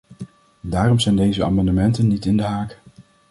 Daarom zijn deze amendementen niet in de haak.